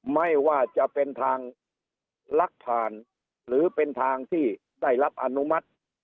ไม่ว่าจะเป็นทางลักผ่านหรือเป็นทางที่ได้รับอนุมัติ